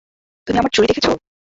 তুমি আমার চুড়ি দেখেছ?